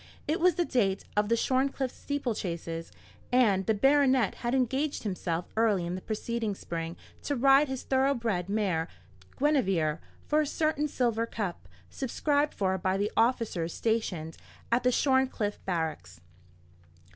It was the date of the Shorncliffe steeple chases, and the baronet had engaged himself early in the preceding spring to ride his thorough bred mare Guinevere, for a certain silver cup, subscribed for by the officers stationed at the Shorncliffe barracks.